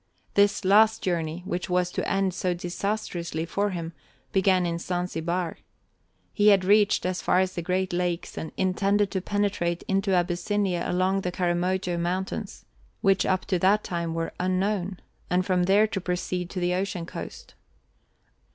This last journey, which was to end so disastrously for him, began in Zanzibar. He had reached as far as the Great Lakes and intended to penetrate into Abyssinia along the Karamojo Mountains, which up to that time were unknown, and from there to proceed to the ocean coast.